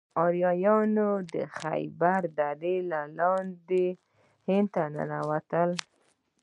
آریایان د خیبر درې له لارې هند ته ننوتل.